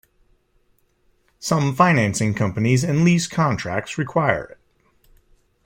Some financing companies and lease contracts require it.